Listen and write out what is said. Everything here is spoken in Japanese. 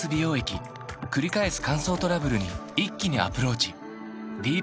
くり返す乾燥トラブルに一気にアプローチ